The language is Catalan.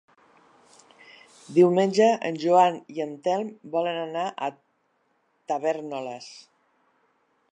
Diumenge en Joan i en Telm volen anar a Tavèrnoles.